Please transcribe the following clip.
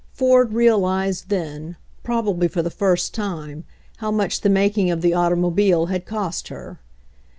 Ford realized then, probably for the first time, how much the making of the automobile had cost her.